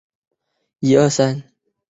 他在万历元年晋封庆王。